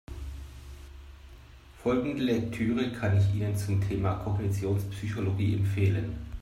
Folgende Lektüre kann ich Ihnen zum Thema Kognitionspsychologie empfehlen.